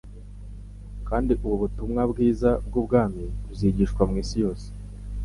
Kandi ubu butumwa bwiza bw'ubwami buzigishwa mu isi yose,